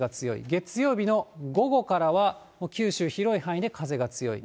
月曜日の午後からは九州、広い範囲で風が強い。